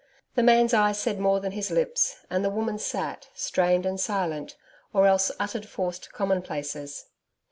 The man's eyes said more than his lips, and the woman sat, strained and silent, or else uttered forced commonplaces.